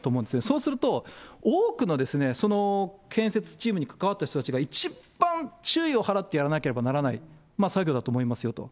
そうすると、多くのその建設チームに関わった人たちが、一番注意を払ってやらなければならない作業だと思いますよと。